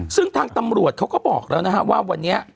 ซึ่งทางตำรวจเขาก็บอกแล้วนะฮะว่าวันนี้